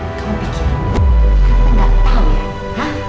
tante gak tau ya